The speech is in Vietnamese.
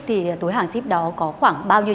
thì túi hàng ship đó có khoảng bao nhiêu